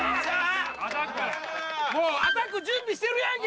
もうアタック準備してるやんけ